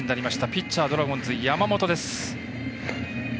ピッチャー、ドラゴンズ山本です。